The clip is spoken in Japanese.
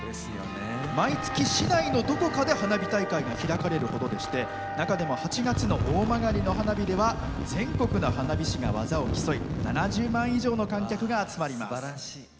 毎月、市内のどこかで花火大会が開かれるほどでして中でも８月の大曲の花火では全国の花火師が技を競い７０万以上の観客が集まります。